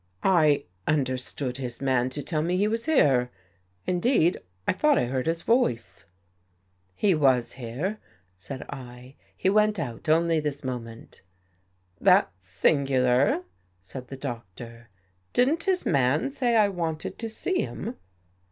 " I — understood his man to tell me he was here. Indeed, I thought I heard his voice." " He was here," said I. " He went out only this moment." 52 THE JADE EARRING " That's singular," said the Doctor. " Didn't his man say I wanted to see him?